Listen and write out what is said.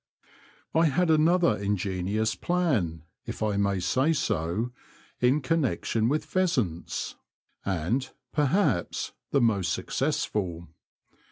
I had another ingenious plan (if I may say so) in connection with pheasants, and, perhaps, the most successful.